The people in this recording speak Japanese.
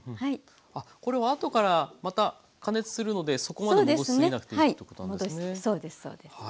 これは後からまた加熱するのでそこまで戻し過ぎなくていいということなんですね。